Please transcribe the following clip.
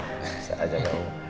bisa aja gak om